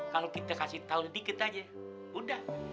kalau kita kasih tau sedikit aja udah